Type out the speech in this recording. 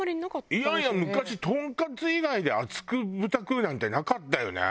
いやいや昔トンカツ以外で厚く豚食うなんてなかったよね。